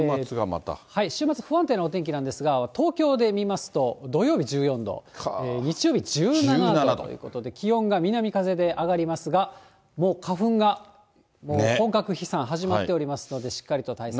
週末、不安定なお天気なんですが、東京で見ますと、土曜日１４度、日曜日１７度ということで、気温が南風で上がりますが、もう花粉が、もう本格飛散始まっておりますので、しっかりと対策を。